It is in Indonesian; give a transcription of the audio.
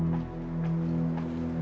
masya allah masyim